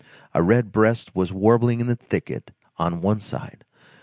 A red breast was warbling in the thicket, on one side.